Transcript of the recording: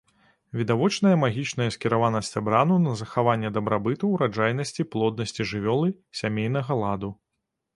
Відавочная магічная скіраванасць абраду на захаванне дабрабыту, ураджайнасці, плоднасці жывёлы, сямейнага ладу.